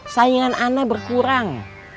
sayangan anak berkurang